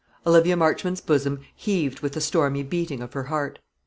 Olivia Marchmont's bosom heaved with the stormy beating of her heart.